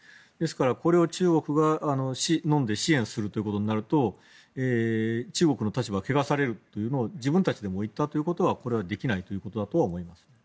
ですから、これを中国がのんで支援するということになると中国の立場を汚されるというのを自分たちで言ったということはこれはできないということだとは思います。